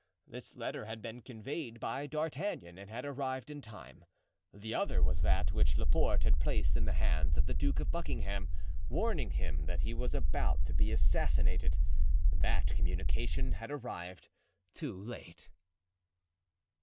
This letter had been conveyed by D'Artagnan and had arrived in time. The other was that which Laporte had placed in the hands of the Duke of Buckingham, warning him that he was about to be assassinated; that communication had arrived too late.